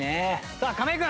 さあ亀井君